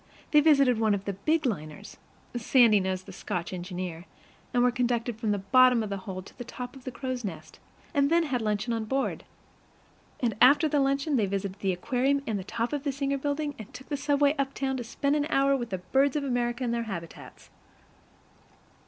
They visited one of the big liners (Sandy knows the Scotch engineer), and were conducted from the bottom of the hold to the top of the crow's nest, and then had luncheon on board. And after luncheon they visited the aquarium and the top of the Singer Building, and took the subway uptown to spend an hour with the birds of America in their habitats.